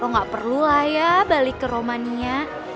lo gak perlulah ya balik ke romaninya